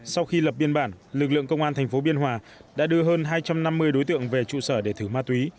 sau khi lập biên bản lực lượng công an thành phố biên hòa đã đưa hơn hai trăm năm mươi đối tượng về trụ sở để thử ma túy